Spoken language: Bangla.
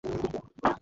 কী বলেছে সে?